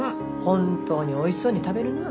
本当においしそうに食べるな。